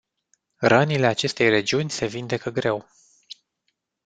Rănile acestei regiuni se vindecă greu.